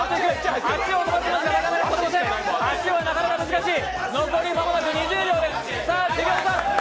足はなかなか難しい。